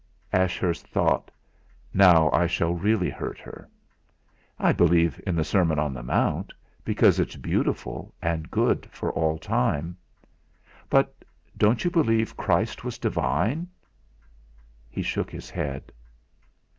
Ashurst thought: 'Now I shall really hurt her!' "I believe in the Sermon on the Mount, because it's beautiful and good for all time." "But don't you believe Christ was divine?" He shook his head.